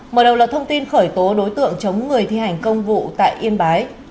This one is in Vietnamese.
mở đầu là thông tin khởi tố đối tượng chống người thi hành công vụ tại yên bái